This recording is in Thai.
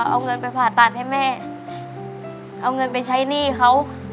เอาเงินไปผ่าตัดให้แม่เอาเงินไปใช้หนี้เขา